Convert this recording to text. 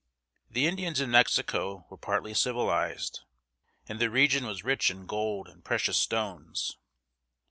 The Indians in Mexico were partly civilized, and the region was rich in gold and precious stones.